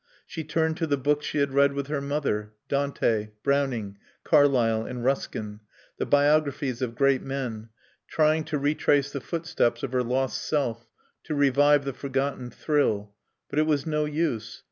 She turned to the books she had read with her mother, Dante, Browning, Carlyle, and Ruskin, the biographies of Great Men, trying to retrace the footsteps of her lost self, to revive the forgotten thrill. But it was no use.